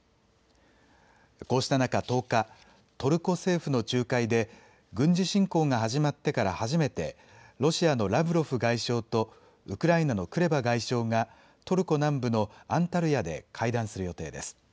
こうした中、１０日、トルコ政府の仲介で軍事侵攻が始まってから初めてロシアのラブロフ外相とウクライナのクレバ外相がトルコ南部のアンタルヤで会談する予定です。